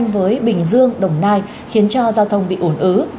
với bình dương đồng nai khiến cho giao thông bị ủn ứ